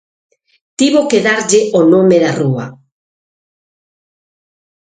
Tivo que darlle o nome da rúa.